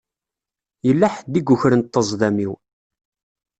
Yella ḥedd i yukren ṭṭezḍam-iw.